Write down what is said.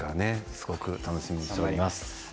すごく楽しみにしております。